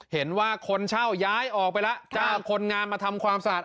เห็นว่าคนเช่าย้ายออกไปแล้วจ้างคนงานมาทำความสะอาด